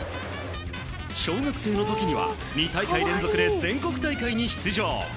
小学生の時には２大会連続で全国大会に出場。